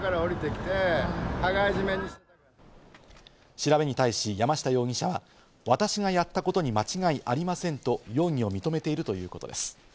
調べに対し山下容疑者は私がやったことに間違いありませんと容疑を認めているということです。